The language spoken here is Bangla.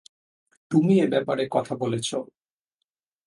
তুমি এ ব্যাপারে কথা বলছো।